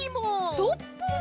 ストップ！